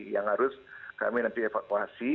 yang harus kami nanti evakuasi